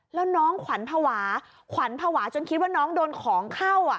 แล้วน้องขวัญภาวะขวัญภาวะจนคิดว่าน้องโดนของเข้า